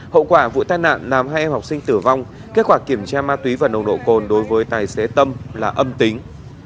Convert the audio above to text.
hậu quả vụ tai nạn làm hai em học sinh tử vong kết quả kiểm tra ma túy và nồng độ cồn đối với tài xế tâm là âm tính